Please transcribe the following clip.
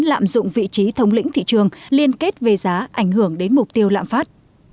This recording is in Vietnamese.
lạm dụng vị trí thống lĩnh thị trường liên kết về giá ảnh hưởng đến mục tiêu lạm phát